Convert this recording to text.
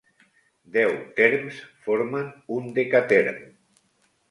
Deu "therms" formen un "decatherm".